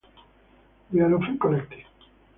They are often collected.